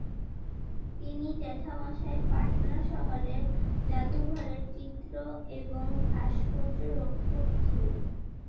তিনি জ্যাঠামশায় পাটনা শহরের জাদুঘরের চিত্র এবং ভাস্কর্য রক্ষক ছিলেন।